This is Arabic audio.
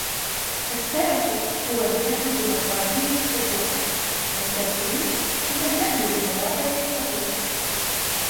فَالسَّرَفُ هُوَ الْجَهْلُ بِمَقَادِيرِ الْحُقُوقِ ، وَالتَّبْذِيرُ هُوَ الْجَهْلُ بِمَوَاقِعِ الْحُقُوقِ